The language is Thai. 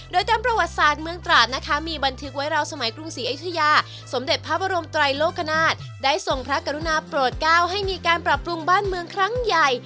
โดยตามประวัติศาสตร์เมืองตราดนะคะมีบันทึกไว้ราวสมัยกรุงศรีอยุธยาสมเด็จพระบรมไตรโลกนาฏได้ทรงพระกรุณาโปรดเก้าให้มีการปรับปรุงบ้านเมืองครั้งใหญ่